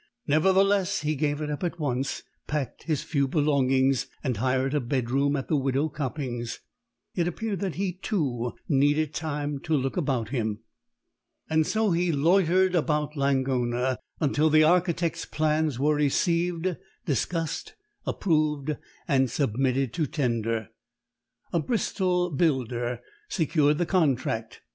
Nevertheless he gave it up at once, packed his few belongings, and hired a bedroom at the Widow Copping's. It appeared that he, too, needed time to look about him. And so he loitered about Langona until the architect's plans were received, discussed, approved, and submitted to tender. A Bristol builder secured the contract.